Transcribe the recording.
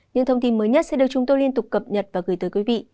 những thông tin mới nhất sẽ được chúng tôi liên tục cập nhật và gửi tới quý vị